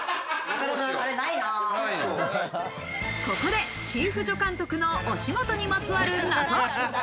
ここでチーフ助監督のお仕事にまつわる謎。